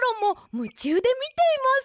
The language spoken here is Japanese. むちゅうでみています！